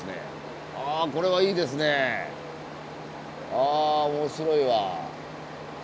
あ面白いわ。